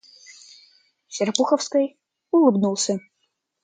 Серпуховской улыбнулся.